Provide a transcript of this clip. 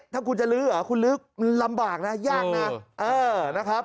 ถ้าคุณจะลื้อเหรอคุณลื้อลำบากนะยากนะเออนะครับ